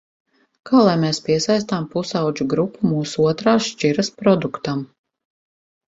Kā lai mēs piesaistām pusaudžu grupu mūsu otrās šķiras produktam?